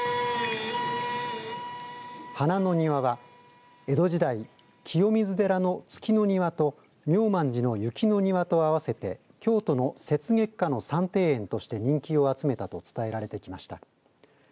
花の庭は江戸時代、清水寺の月の庭と妙満寺の雪の庭と合わせて京都の雪月花の三庭苑として人気を集めたと伝えられてきました。